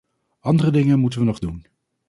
Andere dingen moeten we nog doen.